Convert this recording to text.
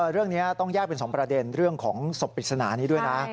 เรื่องนี้ต้องแยกเป็น๒ประเด็นเรื่องของศพปริศนานี้ด้วยนะ